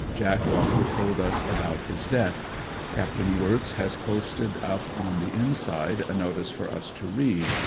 Jack Walker told us about his death. Capt. Wirtz has posted up on the inside a notice for us to read.